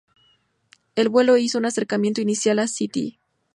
El vuelo hizo un acercamiento inicial a St.